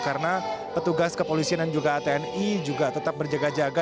karena petugas kepolisian dan juga tni juga tetap berjaga jaga